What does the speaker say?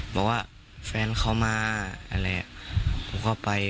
บอกว่าแฟนเขามาอะไรผมก็ไป